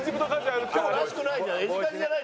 今日らしくないんじゃない？